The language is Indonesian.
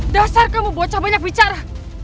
dasar kamu bocah banyak bicara